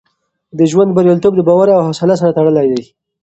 د ژوند بریالیتوب د باور او حوصله سره تړلی دی.